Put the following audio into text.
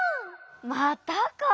またか。